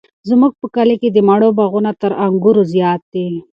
زموږ په کلي کې د مڼو باغونه تر انګورو زیات دي.